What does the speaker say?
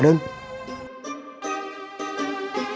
kamu baru tahu